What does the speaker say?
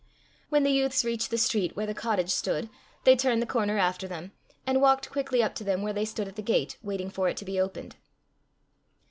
When the youths reached the street where the cottage stood, they turned the corner after them, and walked quickly up to them where they stood at the gate waiting for it to be opened.